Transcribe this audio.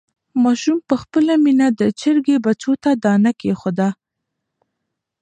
ماشوم په خپله مینه د چرګې بچیو ته دانه کېښوده.